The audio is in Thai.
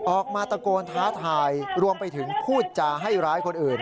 ออกมาตะโกนท้าทายรวมไปถึงพูดจาให้ร้ายคนอื่น